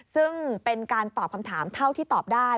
ซึ่งเป็นการตอบคำถามเท่าที่ตอบได้